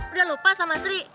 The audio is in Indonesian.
udah lupa sama sri